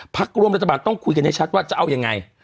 พักร่วมรัฐบาลต้องคุยกันให้ชัดว่าจะเอายังไง